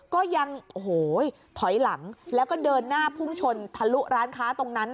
ก็ยังโอ้โหถอยหลังแล้วก็เดินหน้าพุ่งชนทะลุร้านค้าตรงนั้น